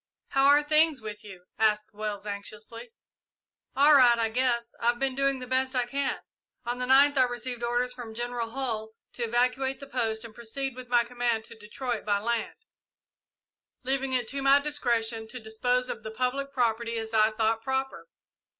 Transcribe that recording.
"How are things with you?" asked Wells, anxiously. "All right, I guess; I've been doing the best I can. On the ninth I received orders from General Hull to evacuate the post and proceed with my command to Detroit by land, leaving it to my discretion to dispose of the public property as I thought proper.